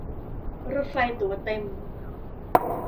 รถไฟตั๋วเต็ม